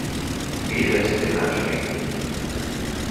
Wehret den Anfängen!